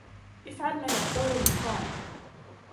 إفعل ما يقوله توم.